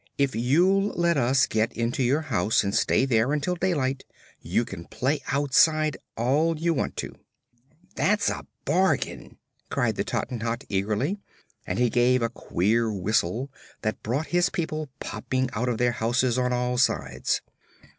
If you'll let us get into your house, and stay there until daylight, you can play outside all you want to." "That's a bargain!" cried the Tottenhot eagerly, and he gave a queer whistle that brought his people popping out of their houses on all sides.